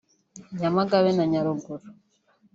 Nyamagabe na Nyaruguru